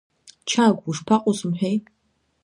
Чагә, ушԥаҟоу сымҳәеи?!